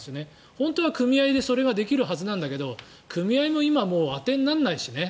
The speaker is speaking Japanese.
本当は組合でそれができるはずなんだけど組合も今はもう当てにならないしね。